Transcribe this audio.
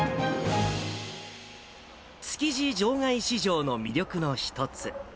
築地場外市場の魅力の一つ。